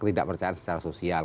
jadi tidak percaya secara sosial